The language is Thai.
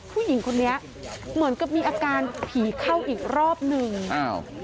ผู้หญิงคนนี้เหมือนกับมีอาการผีเข้าอีกรอบหนึ่งอ้าว